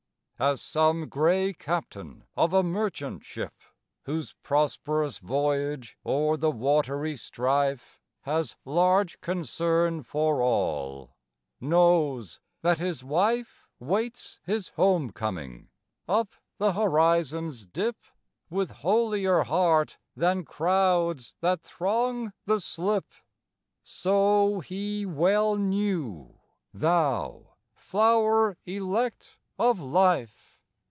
As some grey captain of a merchantship, Whose prosperous voyage o'er the watery strife Has large concern for all, knows that his wife Waits his home coming up the horizon's dip With holier heart than crowds that throng the slip, So He well knew, thou flower elect of life!